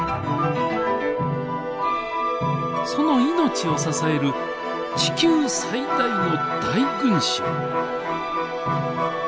その命を支える地球最大の大群集。